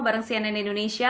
bareng cnn indonesia